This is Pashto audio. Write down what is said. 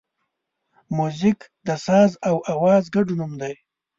موزیک د ساز او آواز ګډ نوم دی.